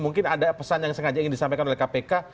mungkin ada pesan yang sengaja ingin disampaikan oleh kpk